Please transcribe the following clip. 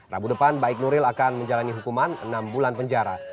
rabu depan baik nuril akan menjalani hukuman enam bulan penjara